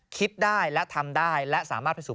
คิดได้และทำได้